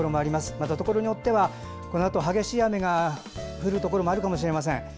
また、ところによってはこのあと激しい雨が降るところもあるかもしれません。